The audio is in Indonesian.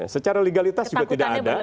secara legalitas juga tidak ada